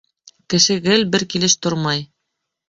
Кеше гел бер килеш тормай.